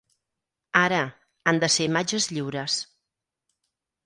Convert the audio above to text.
Ara, han de ser imatges lliures.